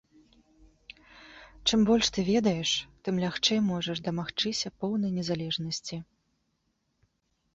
Чым больш ты ведаеш, тым лягчэй можаш дамагчыся поўнай незалежнасці.